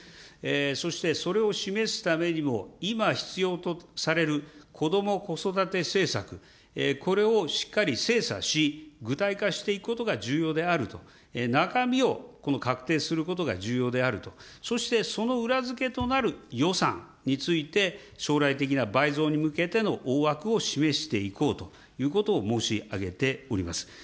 そしてそれを示すためにも、今必要とされるこども・子育て政策、これをしっかり精査し、具体化していくことが重要であると、中身をこの確定することが重要であると、そしてその裏付けとなる予算について、将来的な倍増に向けての大枠を示していこうということを申し上げております。